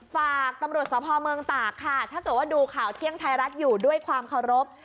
ฝากตำรวจสภเมืองตากค่ะถ้าเกิดว่าดูข่าวเที่ยงไทยรัฐอยู่ด้วยความเคารพ